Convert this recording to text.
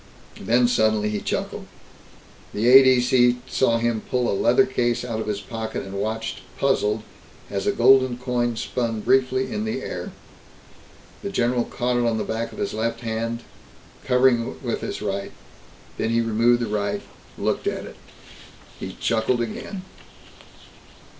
Then suddenly he chuckled. The A.D.C. saw him pull a leather case out of his pocket and watched, puzzled, as a golden coin spun briefly in the air. The general caught it on the back of his left hand, covering it with his right. Then he removed the right, looked at it. He chuckled again.